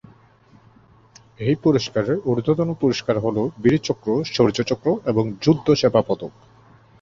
এই পুরস্কারের ঊর্ধ্বতন পুরস্কার হল বীর চক্র, শৌর্য চক্র এবং যুদ্ধ সেবা পদক।